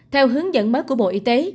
theo hướng dẫn mới của bộ y tế